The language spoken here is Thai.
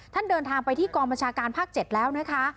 ท่านเดินทางไปที่กประชาการภาค๗แล้วนะคะ